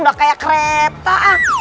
udah kayak kereta